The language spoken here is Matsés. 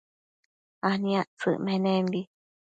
aniactsëc menembi